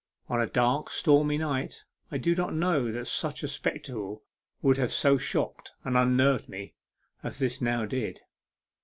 On a dark, stormy night, I do not know that such a spectacle would have so shocked and unnerved me as this now did.